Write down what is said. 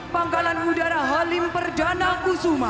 pangkalan udara halim perdana kusuma